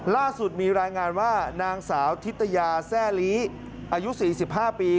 ล่าสุดมีรายงานว่านางสาวทิตยาแซ่ลีอายุ๔๕ปี